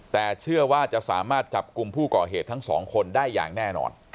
แต่เชื่อว่าจะสามารถจับกลุ่มผู้ก่อเหตุทั้งสองคนได้อย่างแน่นอน